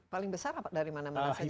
paling besar dari mana mana saja